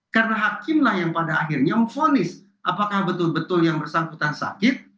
karena hakimlah yang pada akhirnya memfonis apakah betul betul yang bersangkutan sakit